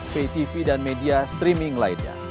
pay tv dan media streaming lainnya